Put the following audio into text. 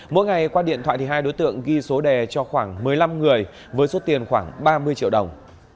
mỗi ngày qua điện thoại hai đối tượng ghi số đề cho khoảng một mươi năm người với số tiền khoảng ba mươi triệu đồng